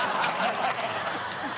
ハハハ